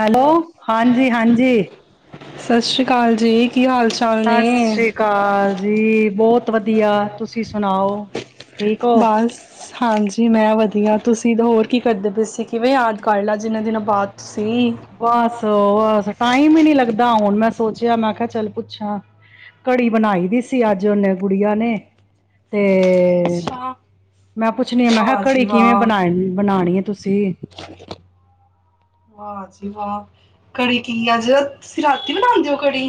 Hello ਹਾਂਜੀ ਹਾਂਜੀ ਸਤਿ ਸ਼੍ਰੀ ਅਕਾਲ ਜੀ ਕੀ ਹਾਲ ਚਾਲ ਸਤਿ ਨੇ ਸ੍ਰੀ ਅਕਾਲ ਜੀ ਬਹੁਤ ਬਹੁਤ ਵਧੀਆ ਤੁਸੀਂ ਸੁਣਾਓ ਠੀਕ ਹੋ ਬਸ ਹਾਂਜੀ ਮੈਂ ਵਧੀਆ ਤੁਸੀਂ ਤਾਂ ਹੋਰ ਕੀ ਕਰਦੇ ਪਏਸੀ ਕਿਵੇਂ ਯਾਦ ਕਾਰਡ ਲਾ ਜਿੰਨੇ ਦਿਨਾਂ ਬਾਅਦ ਤੁਸੀਂ ਬਸ ਬਸ ਟਾਈਮ ਹੀ ਨਹੀਂੀ ਲੱਗਦਾ ਹੁਣ ਮੈਂ ਸੋਚ ਪੁੱਛਿਆ ਮੈਂ ਕਿਹਾ ਚੱਲ ਪੁੱਛਾਂ ਘੜੀ ਬਣਾਈ ਦੀ ਸੀ ਅੱਜ ਓਨੇ ਗੁੜੀਆਂ ਨੇ ਤੇ ਤੇ ਅੱਛਾ ਮੈਂ ਪੁੱਛਣੀ ਆ ਮੈਂ ਕਿਹਾ ਵਾਹ ਜੀ ਘੜੀ ਕਿਵੇਂ ਵਾਹ ਬਣਾ ਬਣਾਉਣੀ ਤੁਸੀਂ [inaudible] ਵਾਹ ਕੜੀ ਕੀ ਅਜ ਤੁਸੀਂ ਰਾਤੀ ਬਣਾਉਂਦੇ ਹੋ ਕੜੀ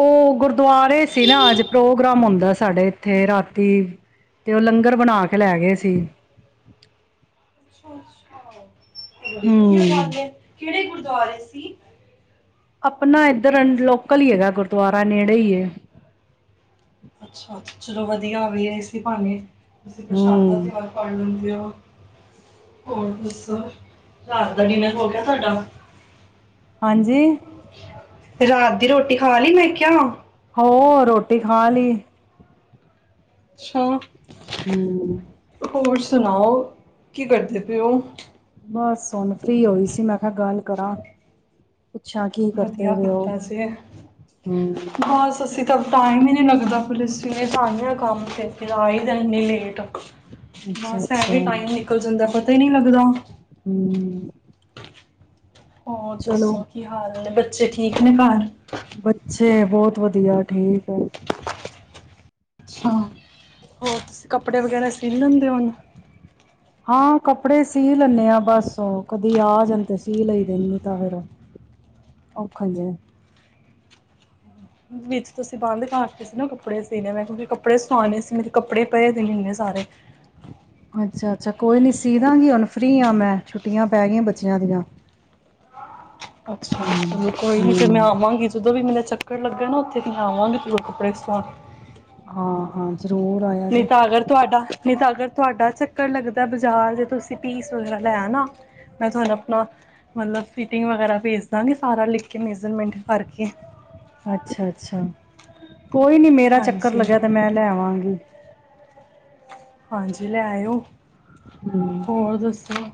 ਉਹ ਗੁਰ ਦੁਆਰੇ ਸੀ ਨਾ ਅੱਜ ਪ੍ਰੋਗਰਾਮ ਹੁੰਦਾ ਸੀ ਸਾਡੇ ਇੱਥੇ ਰਾਤੀ ਤੇ ਉਹ ਲੰਗਰ ਬਣਾ ਕੇ ਲੈ ਗਏ ਸੀ [unintelligible] ਹਮ [unintelligible] [unintelligible] ਆਪਣਾ ਇੱਧਰ ਲੋਕਲ ਹੀ ਹੈਗਾ ਗੁਰਦੁਆਾਰਰਾ ਨੇੜੇ ਹੀ ਅੱਛਾ ਚਲੋ ਵਧੀਆ ਆ ਵੀ ਰਹੀ ਸੀ ਭਾਵੇਂ ਹੂੰ। [unintelligible] ਹੋਰ ਦੱਸੋ ਰਾਤ ਦਾ ਡਿਨਰ ਹੋ ਗਿਆ ਤੁਹਾਡਾ ਹਾਂਜੀ ਰਾਤ ਦੀ ਰੋਟੀ ਖਾ ਲਈ ਮੈਂ ਕਿਹਾ ਉਹ ਰੋਟੀ ਖਾ ਲਈ [unintelligible] ਹਮ ਹੋਰ ਸੁਣਾਓ ਕੀ ਕਰਦੇ ਪ ਉਹ ਬਸ ਹੁਣ ਫ੍ਰਰੀ ਹੋਈ ਸੀ ਮੈਂ ਗੱਲ ਕਰਾਂ ਪੁੱਛਾਂ ਕੀ ਕਰਦੇ ਵਧੀਆ ਪਏ ਓ? ਕੀਤਾ ਸੀ ਹੂੰ। ਬਸ ਅਸੀ ਤ ਟਾਈਮ ਹੀ ਨਹੀਂੀ ਲੱਗਦਾ, ਪੁਲਿ ਤਾਂ ਕੰਮ ਆਈ ਦਾ ਇੰਨੀ ਲੇਟ ਬਸ, ਐਵੇਂ ਅੱਛਾ-ਅੱਛਾ, ਟਾਈਮ ਨਿਕਲ ਜਾਂਦਾ ਪਤਾ ਹੀ ਨਹੀਂੀ ਲੱਗਦਾ ਹੂੰ ਹੋਰ ਚਲੋ ਦੱਸੋ ਕੀ ਹਾਲ ਨੇ ਬੱਚੇ ਠੀਕ ਨੇ ਘਰ ਬੱਚੇ ਬਹੁਤ ਵਧੀਆ ਠੀਕ ਹੈ ਅੱਛਾ ਹੋਰ ਤੁਸੀਂ ਕੱਪੜੇ ਵਗੈਰਾ ਸੀਲ [unintelligible] ਹਾਂ ਕੱਪੜੇ ਸੀ ਲੈਂਨੈ ਆਾਂ, ਬਸ ਉਹ ਕਦੀ ਆ ਜਾਣ ਤੇ ਸੀ ਲਈ ਦੇਦੀ ਤਾਂ ਫਿਰ ਔਖਾ ਈ ਆ ਵਿੱਚ ਤੁਸੀਂ ਬੰਦ ਕਰ ਤੇ ਸੀ, ਨਾ ਕੱਪੜੇ ਸ ਸੀਣੇ ਮੈਂ ਕਿਉਂਕਿ ਕੱਪੜੇ ਸਵਾਣੇ ਸੀ, ਮੇਰੇ ਕੱਪੜੇ ਪਾਏ ਦੇ ਨਹੀਂ ਇਨੇ ਸਾਰੇ ਅੱਛਾ ਅੱਛਾ, ਕੋਈ ਨੀ ਸੀਦਾਂਗੀ ਹੁਣ ਫ੍ਰਰੀ ਆ ਮੈਂ, ਛੁੱਟੀਆਂ ਪੈ ਗਈਆਂ ਬੱਚਿਆਂ ਦੀਆਂ ਅੱਛਾ, ਚਲੋ ਕੋਈ ਨੀ ਫੇਰ, ਮੈਂ ਹੂੰ-ਹੂੰ, ਆਵਾਂਗੀ ਜਦੋਂ ਵੀ ਮੇਰਾ ਜ ਚੱਕਰ ਲੱਗਾ ਨਾ, ਉੱਥੇ ਤੇ ਆਵਾਂਗੀ ਜਰੂਰ ਕੱਪੜੇ ਸਵਾ ਹਾਂ ਹਾਂ ਨਈ ਤਾਂ ਅਗਰ ਤੁਹਾਡਾ ਨਹੀਂ ਤਾਂ, ਅਗਰ ਤੁਹਾਡਾ ਚੱਕਰ ਲੱਗਦਾ ਬਾਜ਼ਾਰ ਦੇ ਤੁਸੀਂ ਪੀਸ ਵਗੈਰਾ ਲੈ ਆਣਾ, ਮੈਂ ਤੁਹਾਨੂੰ ਆਪਣਾ ਮਤਲਬ ਫਿਟਿੰਗ ਵਗੈਰਾ ਭੇਜ ਦਵਾਂਗੀ, ਸਾਰਾ ਲਿਖ ਕੇ ਮੇਜਰਮੈਂਟ ਕਰਕੇ ਅੱਛਾ ਅੱਛਾ ਕੋਈ ਨੀ, ਮੇਰਾ ਚੱਕਰ ਹਾਂਜੀ ਲੱਗਿਆ ਤੇ, ਮੈਂ ਲੈ ਆਵਾਂਗੀ ਹਾਂਜੀ ਲੈ ਆਇਓ ਹੂੰ, ਹੋਰ ਦੱਸੋ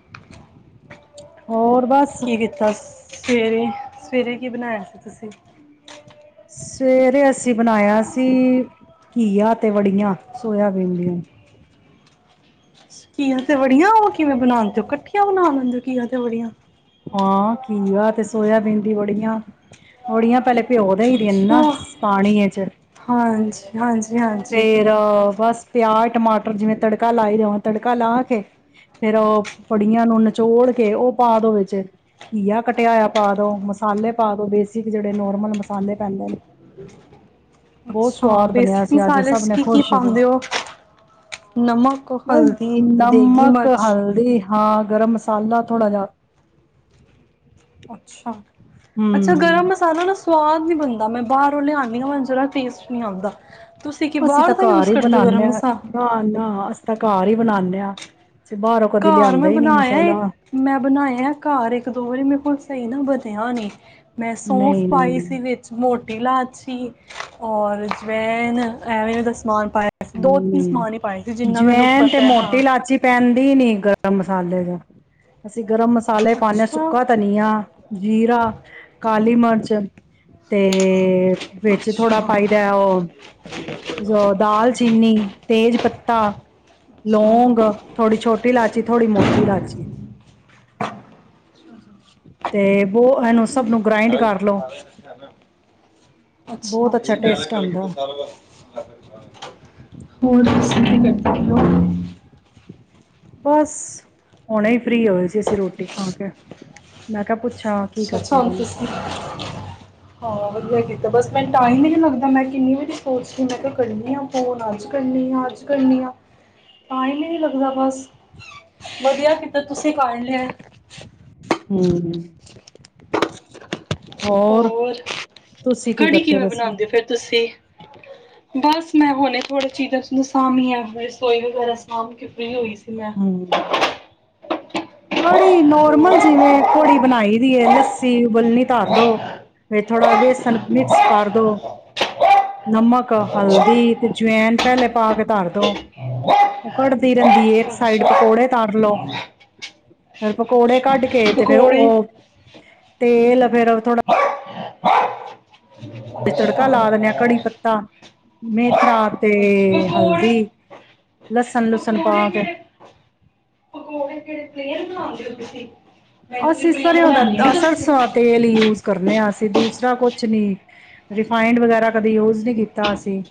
ਹੋਰ ਬਸ ਕੀ ਕੀਤਾ ਸ ਸਵੇਰੇ ਸਵੇਰੇ, ਕੀ ਬਣਾਇਆ ਸੀ ਤੁਸੀਂ ਸਵੇਰੇ, ਅਸੀਂ ਬਣਾਇਆ ਸੀ, ਘੀਆ ਤੇ ਵੜੀਆਂ ਸੋਇਆਬੀਨ ਦੀਆਂ ਘਆ ਤੇ ਵੜੀਆਂ, ਉਹ ਕਿਵੇਂ ਬਣਾਂਦੇਓ ਕੱਠੀਆਂ ਬਣਾ ਲੈਂਦੇ ਘਆ ਤੇ ਵੜੀਆਂ ਹਾਂ, ਘੀਆ ਤੇ ਸੋਇਆਬੀਨ ਬੜੀਆਂ ਬੜੀਆਂ ਪਹਿਲੇ ਅੱਛਾ [unintelligible] ਹਾਂਜੀ ਹਾਂਜੀ ਹਾਂਜੀ ਫੇਰ, ਬਸ ਪਿਆਜ਼ ਟਮਾਟਰ, ਜਿਵੇਂ ਤੜਕਾ ਲਾਈ ਦਾ ਤੜਕਾ ਲਾ ਕੇ, ਫੇਿਰ ਉਹ ਬੜੀਆਂ ਨੂੰ ਨਚੋੜ ਕੇ, ਉਹ ਪਾ ਦੋ ਵਿੱਚ, ਘੀਆ ਕੱਟਿਆ ਹੋਇਆ ਪਾ ਦੋ, ਮਸਾਲੇ ਪਾ ਦੋ ਬੇਸਿਕ ਜਿਹੜੇ ਨੋਰਮਲ ਮਸਾਲੇ ਪੈਂਦੇ ਨੇ ਬਹੁਤ ਅੱਛਾ ਸਵਾਦ ਬਣਿਆ ਸ ਬੇਸਿਕ ਮਸਾਲੇ ਚ ਕੀ ਕੀ ਪਾਉਂਦੇ ਹੋ ਨਮਕ ਬਸ ਹਲਦੀ ਦੇਗੀ ਨਮਕ ਮਰਚ ਹਲਦੀ ਹਾਂ ਗਰਮ ਮਸਾਲਾ ਥੋੜਾ ਜਿਹਾ ਅੱਛਾ, ਅੱਛਾ ਗਰਮ ਹਮ ਮਸਾਲਾ ਨਾ ਸਵਾਦ ਨਹੀਂ ਬਣਦਾ ਬਾਹਰੋਂ ਲਿਆਉਂ ਹ ਜਾ ਟੇਸਟ ਨਹੀਂ ਆਉਦਾ। ਅਸੀਂ ਤਾਂ ਘਰ ਹੀ ਬਣਾਨਣੇ ਹਾਂ ਨਾ- ਨਾ ਅਸੀਂ ਤਾਂ ਘਰ ਹੀ ਬਣਾਨੇ ਆ। ਅ ਘਰ ਮੈਂ ਬਣਾਇਆ ਮੈਂ ਬਣਾਇ ਘਰ ਇੱਕ ਦੋ ਵਾਰੀ ਮੇਰੇ ਕੋਲ ਸਹੀ ਨੀ ਬਣਿਆ [unintelligible] ਮੈਂ ਸੌਂਫ ਨਹੀਂ ਪਾਈ ਨਹੀਂ ਸੀ ਵਿੱਚ ਮੋਟੀ ਇਲਾਚੀ ਔਰ ਜਵੇੈਨ ਐਵੇਂ ਐਂ ਦਾ ਸਮਾਨ ਪਾਇਆ ਸੀ ਦੋ ਤਿੰਨ ਹੂੰ, ਸਮਾਨ ਹੀ ਪਾਏ ਸੀ ਜਿੰਨਾ ਮੈਨੂੰ ਜਵੈਨ ਤੇ ਪਤਾ ਹੈ ਹਾਂ ਮੋਟੀ ਲਾਚੀ ਪੈਂਨਦੀ ਨਹੀਂ। ਗਰਮ ਮਸਾਲੇ ਦਾ ਅਸੀਂ ਗਰਮ ਮਸਾਲੇ ਪਾਉਂਦੇ ਹਾਂ ਅੱਛਾ ਸੁੱਕਾ ਧਨੀਆ ਜੀਰਾ ਕਾਲੀ ਮਰਚ ਤੇ ਤੇ ਵਿੱਚ ਥੋੜਾ ਅੱਛਾ ਪਾਈਦਾ ਉਹ ਜੋ ਦਾਲ ਚੀਨੀ, ਤੇਜ ਪੱਤਾ, ਲੌਂਗ, ਅੱਛਾ ਥੋੜੀ ਛੋਟੀ ਇਲਾਇਚੀ, ਥੋੜ੍ਹੀ ਮੋਟੀ ਇਲਾਇਚੀ ਤੇ ਬਹੁ ਇਹਨੂੰ ਸਭ ਨੂੰ ਗ੍ਰਾਇੰਡ ਕਰ ਲੋ ਅੱਛਾ ਬਹੁਤ [unintelligible] ਟੇਸਟ ਆਉਂਦਾ ਹੋਰ ਤੁਸੀ ਕਰਦੇ ਹੋ। [inaudible] ਬਸ ਹੁਣੇ ਹੀ ਫ੍ਰੀ ਹੋਏ ਸੀ ਅਸੀ ਰੋਟੀ ਖਾ ਕੇ ਮੈਂ ਕਿਹਾ ਪੁੱਛਾਂ ਕੀ ਅੱਛਾ ਅੱਛਾ ਕਰਦੇ ਹੁਣ ਓ। ਇਆ ਕੀਤਾ ਬਸ ਮੈਂ ਟਾਈਮ ਹੀ ਨੀ ਲੱਗਦਾ ਮੈਂ ਕਿੰਨੀ ਵਾਰੀ ਸੋਚਦੀ ਮੈਂ ਕਿਹਾ ਕ ਕਰਨੀ ਹਾਂ ਫੋਨ ਅੱਜ ਕਰਨੀ ਆਂ ਅੱਜ ਕਰਨੀ ਆਂ ਟਾਈਮ ਹੀ ਨੀ ਲੱਗਦਾ ਬਸ ਵਧੀਆ ਕਿਦਾ ਤੁਸੀਂ ਕਰ ਲਿਆ। ਹੂੰ ਹੋਰ ਤੁਸੀਂ ਕੀ ਕੜੀ ਕਰਦੇ ਕਿਵੇਂ ਵੈਸੇ ਬਣਾਉਂਦੇ ਫਿਰ ਤੁਸੀਂ ਬਸ ਮੈਂ ਹੁਣੇ ਥੋੜੀ ਚੀਜ਼ਾਂ ਚੋਜਾਂ ਸਾਂਭੀਆਂ ਰਸੋਈ ਵਗੈਰਾ ਸਾਂਭ ਕੇ ਫਰੀ ਹੋਈ ਸੀ। ਹਮ [inaudible] ਕੜੀ ਹੋਰ ਨੋਰਮਲ ਜਿਵੇਂ ਕੜੀ ਬਣਾਈ ਦੀ ਹੈ ਲ ਲੱਸੀ ਉਬਲਣੀ ਧਰ ਦੋ ਫ ਥੋੜਾ ਬੇਸਣ ਮਿਕਸ ਕਰ ਦੋ ਨਮਕ ਹਲਦੀ ਤੇ ਜਵੈਨ ਪਹਿਲੇ ਪਾ ਕੇ ਧਰ ਦੋ ਉਹ ਕੜਦੀ ਰਹਿੰਦੀ। ਦੀਏ ਇੱਕ ਸਾਈਡ ਅੱਛਾ ਪਕੌੜੇ ਧਰ ਲੋ। ਫਿਰ ਪਕੌੜੇ ਕੱਢ ਕੇ ਤੇ ਫੇਰ ਪਕੌੜੇ ਉਹ ਤੇਲ ਫੇਰ ਥੋੜਾ ਤੇ ਤੜਕਾ ਲਾ ਅੱਛਾ ਦਿੰਨ ਹਾਂ ਕੜੀ ਪੱਤਾ, ਮੇਥਰਾ ਤੇ ਪਕੌੜੇ ਹਲਦੀ, ਲਸਣ ਲੁਸਣ ਪਾ ਪਕੌੜੇ ਕੇ ਕਿਹੜੇ ਪਕੌੜੇ ਕਿਹੜੇ ਪਲੇਨ ਬਣਾਉਂਦੇ ਹੋ ਤੁਸੀਂ ਮੈਨੂੰ ਵੀ ਅਸੀਂ ਇਸ ਪਲੇਨ ਬਣਾਉਣੇ ਤ ਨਹੀਂ ਦੱਸਦੇ ਸਰਸਾ ਤੇਲ ਹੀ ਯੂਜ ਕਰਨੇ ਹ ਅਸੀਂ ਦੂਸਰਾ ਕੁਛ ਨੀ ਰਿਫਾਈਡ ਵਗੈਰਾ ਕਦੇ ਯੂਜ ਨਹੀ ਕੀਤਾ ਅਸੀਂ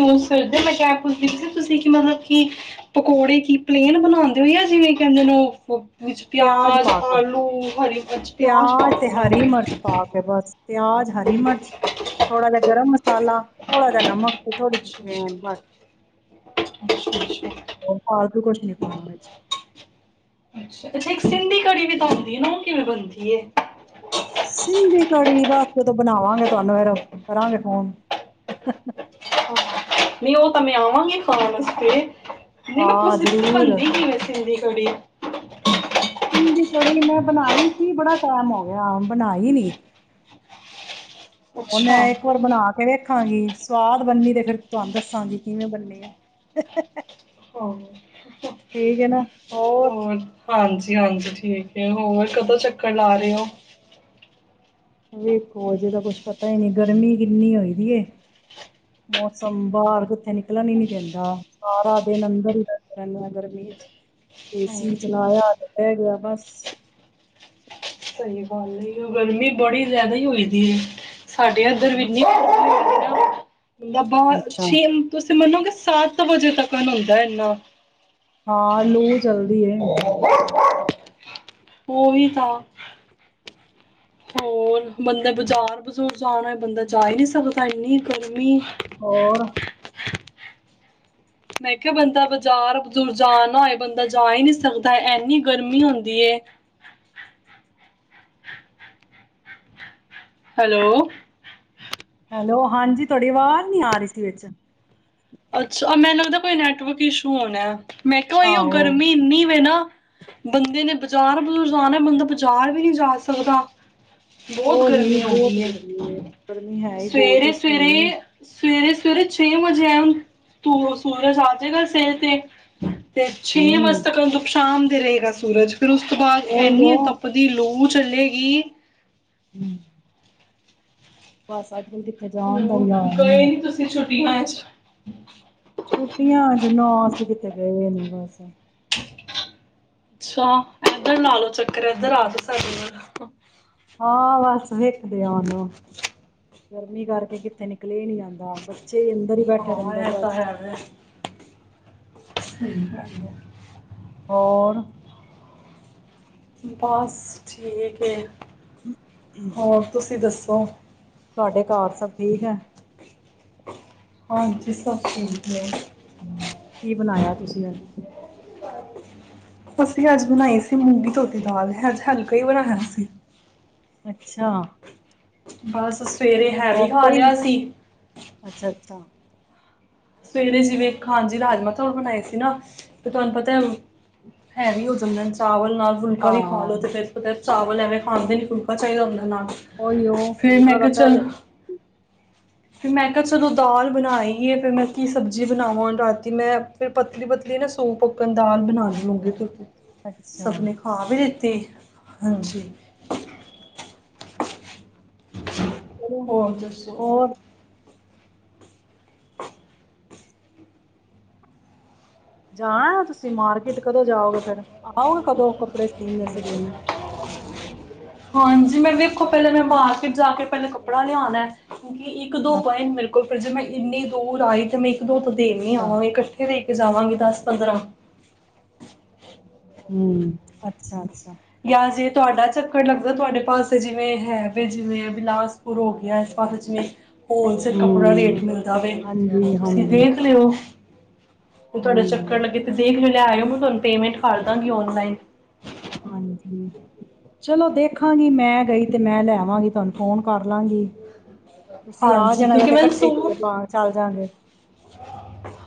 ਸਿਰਦੇ ਮੈਂ ਏਹ ਪੁੱਛਦੀ ਸੀ ਕਿ ਤੁਸੀਂ ਕਿ ਮਤਲਬ ਕਿ ਪਕੌੜੇ ਕੀ ਪਲੇਨ ਬਣਾਉਂਦੇ ਹੋ ਆ ਜਿਵੇਂ ਕਹਿੰਦੇ ਨੇ ਵਿੱਚ ਪਿਆਜ ਪਿਆਜ਼ ਪਾ ਕੇ ਆਲੂ ਹਰੀ ਮਿਰਚ ਪਿਆਜ਼ ਪਾ ਪਿਆਜ ਕੇ ਤੇ ਹਰੀ ਬਣਾਉਂਦੇ ਹੋ ਮਿਰਚ ਪਾ ਕੇ ਬਸ ਪਿਆਜ਼ ਹਰੀ ਮਿਰਚ ਥੋੜ੍ਹਾ ਜਿਹਾ ਗਰਮ ਮਸਾਲਾ ਥੋੜ੍ਹਾ ਜਿਹਾ ਨਮਕ ਤੇ ਥੋੜ੍ਹੀ ਅੱਛਾ ਜਿਹੀ [inaudible] ਅੱਛਾ ਅੱਛਾ ਫਾਲਤੂ ਕੁਛ ਨੀ ਪਾਣਾ ਵਿੱਚ ਅੱਛਾ ਇੱਕ ਸਿੰਧੀ ਕੜੀ ਵੀ ਤਾਂ ਬਣਦੀ ਹੈ ਨਾ ਕਿਵੇਂ ਬਣਦੀ ਸਿੰਧੀ ਕੜੀ ਬਸ ਜਦੋਂ ਬਣਾਵਾਂਗੇ ਤੁਹਾਨੂੰ ਏਹਦੋ ਕਰਾਂਗੇ ਫੋਨ ਨਹੀਂ ਉਹ ਤਾਂ ਮੈਂ ਆਵਾਂਗੀ ਖਾਣ ਵਾਸਤੇ। ਨਹੀਂ ਮੈਂ ਹਾਂ ਪੁੱਛਦੀ ਸੀ ਕਿ ਜ਼ਰੂਰ ਬਣਦੀ ਕਿਵੇਂ ਸਿੰਧੀ। ਤੜੀ ਸਿੰਧੀ ਕੜੀ ਨਹੀਂ ਮਾਣ। ਬਣਾਈ ਸੀ ਬੜਾ ਟਾਈਮ ਹੋ ਗਿਆ ਬਣਾਈ ਨੀ ਅੱਛਾ ਉਹਨੇ ਇੱਕ ਹਾਂ ਵਾਰ ਬਣਾ ਕੇ ਵੇਖ ਰਖਾਂਗੀ ਸਵਾਦ ਬਣਨੀ ਤੇ ਫਿਰ ਤੁਹਾਨੂੰ ਦੱਸਾਂਗੀ ਕਿਵੇਂ ਬੰਨੀ ਆ ਹਾਂ ਠੀਕ ਹੈ ਨਾ ਹੋਰ ਹਾਂਜੀ ਹਾਂਜੀ ਠੀਕ ਹੈ ਹੋਰ ਕਦੋਂ ਚੱਕਰ ਲਾ ਰਹੇ ਹੋ? ਵੇਖੋ ਅਜੇ ਤਾਂ ਕੁਛ ਪਤਾ ਹੀ ਨਹੀਂ ਗਰਮੀ ਕਿੰਨੀ ਹੋਈ ਦੀ ਏ ਮੌਸਮ ਬਾਹਰ ਕਿੱਥੇ ਨਿਕਲਣ ਹੀ ਨੀ ਦਿੰਦਾ ਸਾਰਾ ਦਿਨ ਅੰਦਰ ਹੀ ਬਸ ਰਹਿਣੇ ਆ ਬਸ ਗਰਮੀ ਚ ਏ ਹਮ, ਸੀ ਚਲਾਇਆ ਤੇ ਬਹਿ ਗਿਆ ਬਸ ਸਹੀ ਗੱਲ ਗਰਮੀ ਬੜੀ ਜ਼ਿਆਦਾ ਹੀ ਹੋਈ ਦੀ ਹੈ। ਸਾਡੇ ਇਧਰ ਵੀ ਗਰਮੀ [unintelligible] ਬਹੁਤ ਅੱਛਾ ਅੱਛੀ ਤੁਸੀਂ ਤੇ ਮੰਨੋ ਕਿ ਸੱਤ ਵਜੇ ਤੱਕ [unintelligible] ਹੁੰਦਾ ਇਨਾ ਹਾਂ ਲੂ ਚਲਦੀ ਹੈ ਉਹ ਵੀ ਤਾਂ ਹੋਰ ਬੰਦਾ ਬਾਜ਼ਾਰ ਬਜ਼ੂਰ ਜਾਣਾ ਬੰਦਾ ਜਾ ਹੀ ਨਹੀਂ ਸਕਦਾ ਇੰਨੀ ਗਰਮੀ ਹੋਰ ਮੈਂ ਕਿਹਾ ਬੰਦਾ ਬਜ਼ਾਰ ਬਜੂਰ ਜਾ ਨਾ ਹੋਏ ਬੰਦਾ ਜਾ ਹੀ ਨਹੀਂ ਸਕਦਾ ਇਨੀ ਗਰਮੀ ਹੁੰਦੀ ਏ ਹੈਲੋ ਹੈਲੋ ਹਾਂਜੀ ਤੁਹਾਡੀ ਆਵਾਜ਼ ਨੀ ਆ ਰਹੀ ਸੀ ਵਿਚ ਅੱਛਾ ਮੈਨੂੰ ਲੱਗਦਾ ਕੋਈ ਨੈਟਵਰਕ ਇਸ਼ੂ ਹੋਣਾ ਮੈਂ ਕਿਹਾ ਈ ਉਹ ਆਹੋ ਗਰਮੀ ਇੰਨੀ ਵੇ ਨਾ ਬੰਦੇ ਨੇ ਬਜ਼ਾਰ ਬਜੂਰ ਜਾਣਾ ਬੰਦਾ ਬਜ਼ਾਰ ਵੀ ਨਹੀਂ ਜਾ ਸਕਦਾ ਬਹੁਤ ਉਹ ਹੀ ਗਰਮੀ ਹੋ ਬਹੁਤ ਗਈ ਏ, ਗਰਮੀ ਹੈ ਹੀ ਬਹੁਤ ਹੀ ਸੀ ਸਵੇਰੇ ਸਵੇਰੇ ਛੇ ਵਜੇ ਆਏ ਉੱਤੋ ਸੂਰਜ ਆਜੇ ਗਾ ਸਿਰ ਤੇ ਤੇ ਛੇ ਵਜੇ ਹੂੰ ਤੱਕ ਦੁਖ ਸ਼ਾਮ ਰਹੇਗਾ ਸੂਰਜ। ਫਿਰ ਉਸ ਤੋਂ ਬਾਅਦ ਉਹੀ ਏਨੀਂ ਉਹ ਤੱਪਦੀ ਲੂ ਚਲੇਗੀ। [inaudible] ਬਸ ਅ ਹੋਰ ਗਏ ਨੀ ਤੁਸੀਂ ਛੁ [unintelligible] ਛੁੱਟੀਆਂ ਜੀ ਨਾ, ਅਸੀਂ ਕਿਤੇ ਗਏ ਨੀ। ਬਸ। ਅੱਛਾ, ਏਧਰ ਲਾ ਲੋ ਚੱਕਰ, ਏਧਰ ਆ ਜੋ ਸਾਡੇ ਵਲ। ਹਾਂ ਬਸ ਵੇਖਦੇ ਆ ਹੁਣ। ਗਰਮੀ ਕਰਕੇ ਕਿੱਥੇ ਨਿਕਲੇਆ ਨੀ ਜਾਂ ਹਾਂ ਬੱਚੇ ਅੰਦਰ ਹੀ ਬੈਠੇ ਹਾਂ, ਰਹਿੰਦੇ ਨੇ ਬਸ। ਠੀਕ [unintelligible] ਹੋਰ। ਬਸ ਠੀਕ ਏ। ਔਰ ਤੁਸੀਂ ਦੱਸ। [unintelligible] ਤੁਹਾਡੇ ਘਰ ਸਭ ਠੀਕ ਹੈ? ਹਾਂਜੀ ਸਭ ਠੀਕ ਹੈ। ਕੀ ਬਣਾਇਆ ਤੁਸੀਂ ਅਜ? ਅਸੀਂ ਅੱਜ ਬਣਾਈ ਸੀ ਮੂੰਗੀ ਧੋਤੀ ਦਾਲ, ਅੱਜ ਹਲਕਾ ਹੀ ਬਣਾਇਆ ਸੀ। ਅੱਛਾ। ਬਸ। ਸਵੇਰੇ ਹੈਵੀ ਖਾ ਵੈਸੇ ਹੀ ਲਿਆ ਸੀ। ਅੱਛਾ ਅੱਛਾ ਸਵੇਰੇ ਜਿਵੇਂ ਖਾਂਜੀ ਰਾਜਮਾ ਚਾਵਲ ਬਣਾਏ ਸੀ ਨਾ, ਤੇ ਤੁਹਾਨੂੰ ਪਤਾ ਏ ਹੈਵੀ ਹੋ ਜਾਂਦੇ ਨੇ ਚਾਵਲ। ਨਾਲ ਫੁਲਕਾ ਵੀ ਖਾ ਹਾਂ ਲੋ ਤੇ ਫੇਰ ਪਤਾ ਏ ਚਾਵਲ ਐਵੇਂ ਖਾਂਦੇ ਨੀ। ਫੁਲਕਾ ਚਾਹੀਦਾ ਹੁੰਦਾ ਨਾਲ। ਉਹੀਉ ਫਿਰ ਫੁਲਕਾ ਮੈਂ ਦਾ ਕਿਹਾ ਚਲ ਪਹਿਲੇ। ਫਿਰ ਮੈਂ ਕਿਹਾ ਚਲੋ ਦਾਲ ਬਣਾਈਏ, ਫਿਰ ਮੈਂ ਕੀ ਸਬਜ਼ੀ ਬਣਾਵਾਂ ਹੁਣ? ਰਾਤੀ ਮੈਂ ਫਿਰ ਪਤਲੀ-ਪਤਲੀ ਨਾ ਸੂਪ ਅਕਣ ਦਾਲ ਬਣਾ ਲੀ ਮੂੰਗੀ ਧੋਤੀ। ਅੱਛਾ ਸਬਨੇ ਖਾ ਵੀ ਲੀਤੀ। ਹਾਂਜੀ। ਚਲੋ ਹੋਰ ਦੱਸੋ। ਹੋਰ [inaudible] ਜਾਣਾ ਐ ਤੁ ਤੁਸੀਂ ਮਾਰਕੀਟ ਕਦੋਂ ਜਾਓਗੇ ਫੇਰ? ਆਓਗੇ ਕਦੋਂ ਕੱਪੜੇ ਸੀਨ ਆਸਤੇ ਦੇਣ ਹਾਂਜੀ, ਮੈਂ ਵੇਖੋ, ਪਹਿਲੇ ਮੈਂ ਮਾਰਕਿਟ ਜਾ ਕੇ ਪਹਿਲੇ ਕੱਪੜਾ ਲਿਆਣਾ। ਕਿਉਂਕਿ ਇੱਕ ਦੋ ਪੁਆਇੰਟ ਮੇਰੇ। ਪੇ ਜੈ ਮੈਂ ਇੰਨੀ ਦੂਰ ਆਈ ਤੇ ਮੈਂ ਇੱਕ- ਦੋ ਅੱਛਾ [unintelligible] ਕੇ ਜਾਵਾਂਗੇ ਦਸ ਪੰਦਰਾਂ। ਹਮ ਅੱਛਾ ਅੱਛਾ ਜਾਂ ਜੇ ਤੁਹਾਡਾ ਚੱਕਰ ਲੱਗਦਾ, ਤੁਹਾਡੇ ਪਾਸੇ ਜਿਵੇਂ ਹੈ, ਵੀ ਜਿਵੇਂ ਬਿਲਾਸਪੁਰ ਹੋ ਗਿਆ, ਇਸ ਪਾਸੇ ਜਿਵੇਂ ਹੋਲਸੇਲ ਕੱਪੜਾ ਰੇਟ ਹੂੰ। ਮਿਲਦਾ ਵ, ਤੁਸੀਂ ਹਾਂਜੀ-ਹਾਂਜੀ। ਦੇਖ ਲਿਓ। ਤੁਹਾਡੇ ਚੱਕਰ ਹੂੰ। ਲੱਗੇ, ਤੇ ਦੇਖ ਲ ਲੈ ਆਇਓ, ਮੈਂ ਤੁਹਾਨੂੰ ਪੇਮੈਂਟ ਕਰ ਦਾਂਗੀ ਔਨਲਾਈਨ। ਹਾਂਜੀ ਚਲੋ, ਦੇਖਾਂਗੀ ਮੈਂ। ਗਈ ਤੇ ਮੈਂ ਲੈਵਾਂਗੀ, ਤੁਹਾਨੂੰ ਫੋਨ ਕਰ ਲਾਂਗੀ। ਤੁਸੀਂ ਆ ਹਾਂਜੀ ਜਾਣਾ, ਯ ਕਿਉਂਕਿ ਤੇ ਮੈਨੂੰ ਇਕੱਠੇ ਸੂਟ ਪਾ, ਚੱਲ ਜਾਗੇ।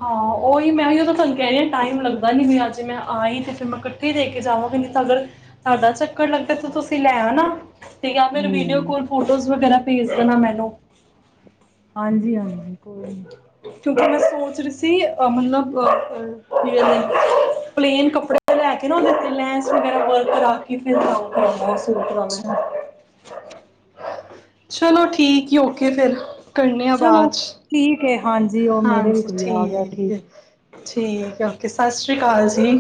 ਹਾਂ, ਉਓਹੀ ਮੈਂ ਦੋਂ ਤੁਹਾਨੂੰ, ਕਹਿ ਰ ਹ ਟਾਈਮ ਲੱਗਦਾ ਨੀ, ਵੀ ਅਜੇ ਮੈਂ ਆਈ, ਤੇ ਫਿਰ ਮੈਂ ਇਕੱਠੇ ਦੇ ਕੇ ਜਾਵਾਂਗੀ। ਨਹੀ ਤਾਂ, ਅਗਰ ਤੁਹਾਡਾ ਚੱਕਰ ਲੱਗਦਾ, ਤੇ ਤੁਸੀਂ ਲੈਆਨਾ। ਤੇ, ਜਾਂ ਫਿਰ ਵੀਡੀਓ ਹੂੰ। ਕੋਲ ਫੋਟੋਜ਼ ਵਗੈਰਾ ਫੀ ਇਸ ਨਾ ਮੈ ਲਓ [unintelligible] ਹਾਂਜੀ, ਹਾਂਜੀ ਕੋਈ ਨੀ। ਕਿਉਂਕਿ ਮੈਂ ਸੋਚ ਰਹੀ ਸੀ, ਮਤਲਬ ਕੀ, ਕਹਿੰਦੇ ਪਲੇਨ ਕੱਪੜੇ ਲੈ ਕੇ ਨਾ, ਉਹਦੇ 'ਤੇ ਲੈਂਸ ਵਗੈਰਾ ਵਰਕ ਕਰਾ ਕੇ, ਫਿਰ ਸਾਫ਼ ਕਰਾਉਂਦਾ। ਜ਼ਤ ਅੱਛਾ। [unintelligible] ਚਲੋ ਠੀਕ, ਓਕੇ ਫੇਿਰ। ਚਲੋ ਠੀਕ, ਹਾਂਜੀ, ਉਹ ਮੇਰੇ ਵੀ ਕੋਈ ਆ ਗਿਆ, ਠੀਕ ਹੈ। ਠੀਕ ਹੈ, ਓਕੇ, ਸਤਿ ਸ਼੍ਰੀ ਅਕਾਲ ਜੀ।